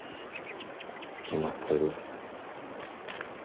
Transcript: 決まっとるわさ。